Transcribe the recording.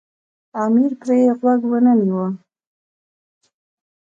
امیر پرې غوږ ونه نیوی.